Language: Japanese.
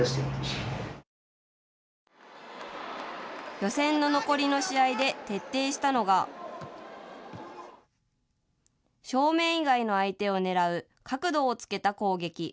予選の残りの試合で徹底したのが正面以外の相手を狙う角度をつけた攻撃。